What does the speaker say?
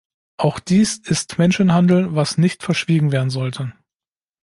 Auch dies ist Menschenhandel, was nicht verschwiegen werden sollte.